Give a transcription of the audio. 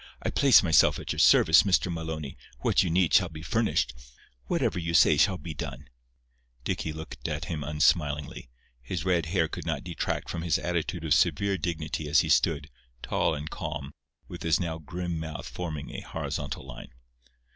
I place myself at your service, Mr. Maloney. What you need shall be furnished. Whatever you say shall be done." Dicky looked at him unsmilingly. His red hair could not detract from his attitude of severe dignity as he stood, tall and calm, with his now grim mouth forming a horizontal line.